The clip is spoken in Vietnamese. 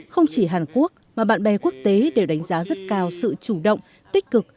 không chỉ hàn quốc mà bạn bè quốc tế đều đánh giá rất cao sự chủ động tích cực